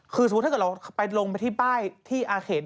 คือสมมุติถ้าเกิดเราไปลงไปที่ป้ายที่อาเขต